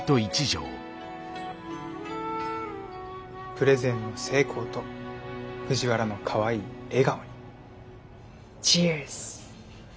プレゼンの成功と藤原のかわいい笑顔にＣｈｅｅｒｓ！